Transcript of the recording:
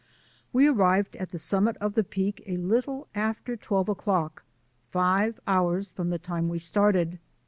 We arrived at the summit of the Peak a little after twelve o'clock, five hours from the time we started.